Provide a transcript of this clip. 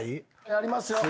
やりますよ。